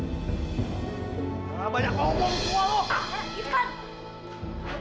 gak banyak ngomong semua lo